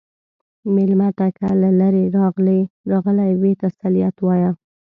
مېلمه ته که له لرې راغلی وي، تسلیت وایه.